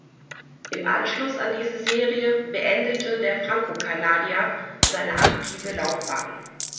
Im Anschluss an diese Serie beendete der Franko-Kanadier seine aktive Laufbahn.